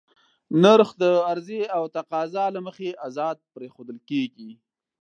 نرخ د عرضې او تقاضا له مخې ازاد پرېښودل کېږي.